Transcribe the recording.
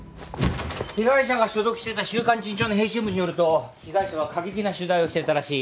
被害者が所属していた『週刊進帳』の編集部によると被害者は過激な取材をしていたらしい。